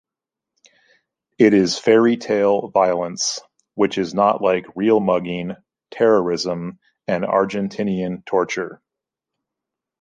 It is fairy-tale violence, which is not like real mugging, terrorism and Argentinean torture.